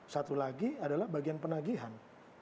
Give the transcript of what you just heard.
satu lagi adalah bagian penagihan